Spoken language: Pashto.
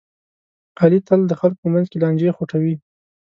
علي تل د خلکو په منځ کې لانجې خوټوي.